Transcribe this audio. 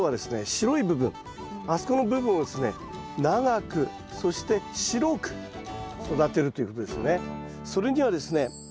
白い部分あそこの部分をですね長くそして白く育てるということですね。